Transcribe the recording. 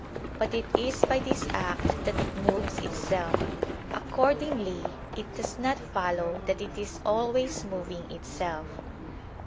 But it is by this act that it moves itself. Accordingly it does not follow that it is always moving itself.